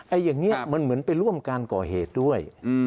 อย่างนี้มันเหมือนไปร่วมการก่อเหตุด้วย